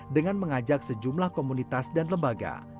dengan mengajak sejumlah komunitas dan lembaga